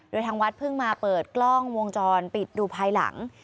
โดยทางวัดเพิ่งมาเปิดกล้องวงจรปิดดูภายหลัง